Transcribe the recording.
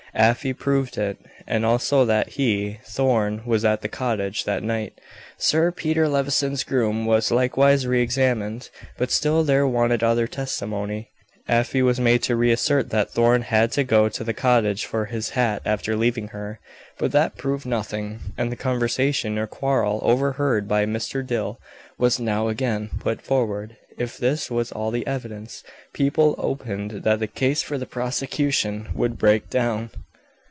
Afy proved it, and also that he, Thorn, was at the cottage that night. Sir Peter Levison's groom was likewise re examined. But still there wanted other testimony. Afy was made to re assert that Thorn had to go to the cottage for his hat after leaving her, but that proved nothing, and the conversation, or quarrel overheard by Mr. Dill was now again, put forward. If this was all the evidence, people opined that the case for the prosecution would break down.